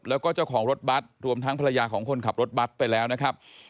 แล้วก็เจ้าของรถบัตรรวมทั้งภรรยาของคนขับรถบัตรไปแล้วนะครับ